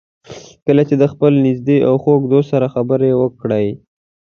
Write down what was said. کله چې د خپل نږدې او خوږ دوست سره خبرې وکړئ.